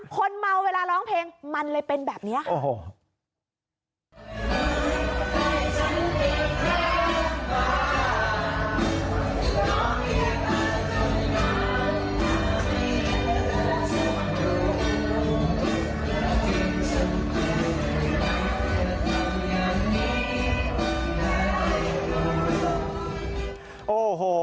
คนเมาเวลาร้องเพลงมันเลยเป็นแบบนี้